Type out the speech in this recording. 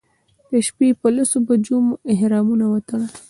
د شپې په لسو بجو مو احرامونه وتړل.